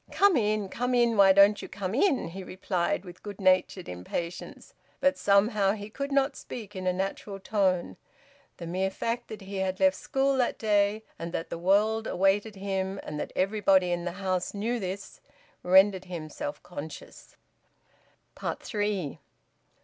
"Come in! Come in! Why don't you come in?" he replied, with good natured impatience. But somehow he could not speak in a natural tone. The mere fact that he had left school that day and that the world awaited him, and that everybody in the house knew this, rendered him self conscious. THREE.